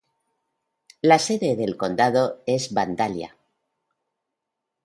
La sede del condado es Vandalia.